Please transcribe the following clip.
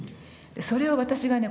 それを私がね